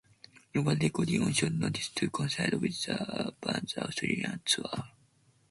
It was recorded on short notice to coincide with the band's Australian tour.